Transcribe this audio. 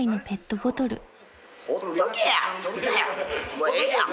もうええやん。